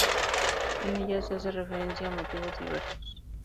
En ellas se hace referencia a motivos diversos.